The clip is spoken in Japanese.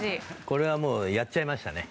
これはもうやっちゃいましたね。